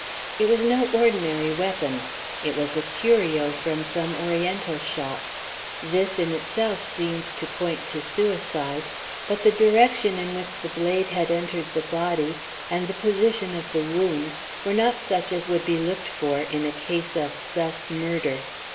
It was no ordinary weapon. It was a curio from some oriental shop. This in itself seemed to point to suicide, but the direction in which the blade had entered the body and the position of the wound were not such as would be looked for in a case of self murder.